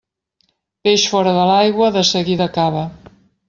Peix fora de l'aigua, de seguida acaba.